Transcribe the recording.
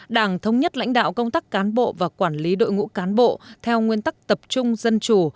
đảng thống nhất lãnh đạo công tác cán bộ và quản lý đội ngũ cán bộ theo nguyên tắc tập trung dân chủ